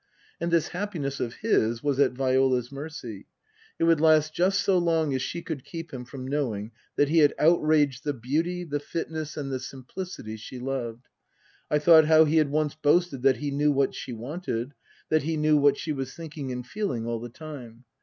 And this happiness of his was at Viola's mercy. It would last just so long as she could keep him from know ing that he had outraged the beauty, the fitness and the simplicity she loved. I thought how he had once boasted that he knew what she wanted, that he knew what she was thinking and feeling all the time.